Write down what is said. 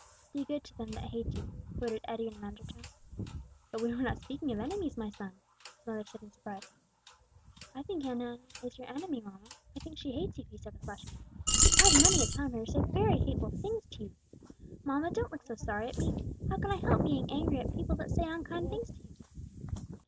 '" "'Do good to them that hate you,'" quoted Eddie in an undertone. "But we were not speaking of enemies, my son," his mother said in surprise. "I think Aunt Enna is your enemy, mamma; I think she hates you," he said, with flashing eyes, "for I've many a time heard her say very hateful things to you. Mamma, don't look so sorry at me; how can I help being angry at people that say unkind things to you?"